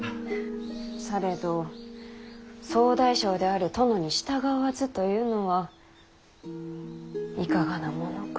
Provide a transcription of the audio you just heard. されど総大将である殿に従わずというのはいかがなものか。